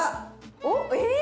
おっえっ？